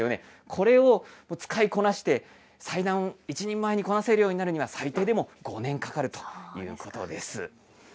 これを使いこなして、裁断を一人前にこなせるようになるには、最低でも５年かかるということです。